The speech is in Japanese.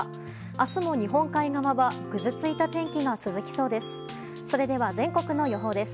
明日も日本海側はぐずついた天気が続きそうです。